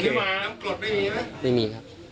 คนที่มาน้ำกรดไม่มีนะไม่มีครับ